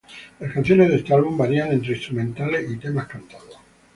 Las canciones en este álbum varían entre instrumentales y temas cantados.